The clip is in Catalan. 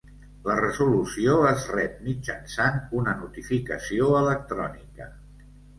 La resolució es rep mitjançant una notificació electrònica.